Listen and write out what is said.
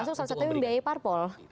masuk satu satunya biaya parpol